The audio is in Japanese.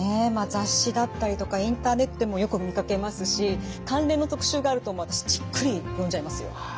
雑誌だったりとかインターネットでもよく見かけますし関連の特集があるともう私じっくり読んじゃいますよ。